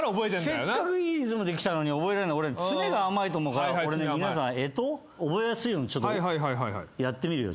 せっかくいいリズムで来たのに俺詰めが甘いと思うからこれね皆さん干支覚えやすいようにちょっとやってみるよ。